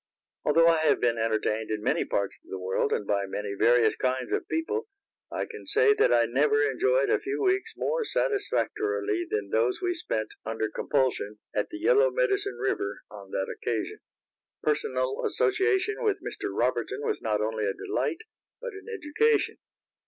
Although I have been entertained in many parts of the world, and by many various kinds of people, I can say that I never enjoyed a few weeks more satisfactorily than those we spent under compulsion at the Yellow Medicine river on that occasion. Personal association with Mr. Robertson was not only a delight, but an education.